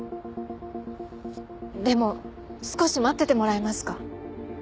でも少し待っててもらえますか？